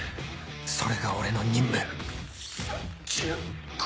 それが俺の任務２３５。